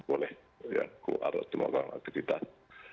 oleh ya ku adat timur kalangan aktivitas